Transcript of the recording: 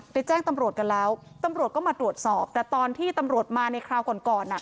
แจ้งตำรวจกันแล้วตำรวจก็มาตรวจสอบแต่ตอนที่ตำรวจมาในคราวก่อนก่อนอ่ะ